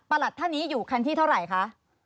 ประหลัดท่านนี้อยู่คันที่เท่าไหร่คะ